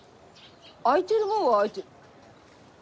空いてるもんは空いて。